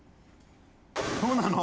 そうなの？